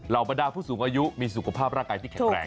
บรรดาผู้สูงอายุมีสุขภาพร่างกายที่แข็งแรง